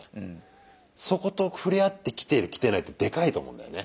そこと触れ合ってきてるきてないってでかいと思うんだよね。